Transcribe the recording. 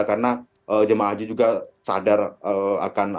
karena jemaah haji juga sadar akan